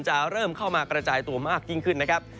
จะเริ่มเข้ามากระจายตัวมากยิ่งขึ้นนะครับ